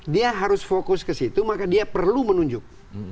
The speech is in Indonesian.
dia harus fokus ke situ maka dia perlu menunjuk